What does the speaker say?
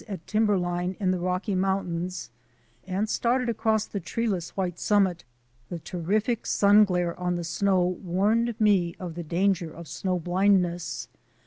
l \ at timberline in the Rocky Mountains, and started across the treeless white sum mit, the terrific sun glare on the snow warned me of the danger of snow blindness.